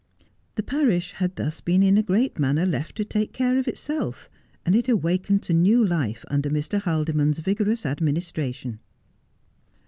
The parish had thus been in a great manner left to take care of itself, and it awakened to new life under Mr. Haldimond's vigorous administration.